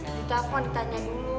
telepon ditanya dulu